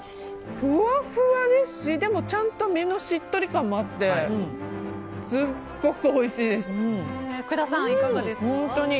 ふわふわですし、でもちゃんと身のしっとり感もあって福田さん、いかがですか？